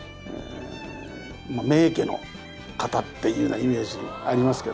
名家の方っていうようなイメージありますけど。